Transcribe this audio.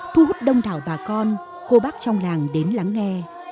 thu hút đông đảo bà con cô bác trong làng đến lắng nghe